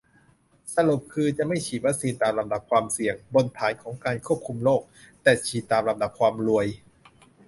สรุปคือ จะไม่ฉีดวัคซีนตามลำดับความเสี่ยง-บนฐานของการควบคุมโรค แต่ฉีดตามลำดับความรวย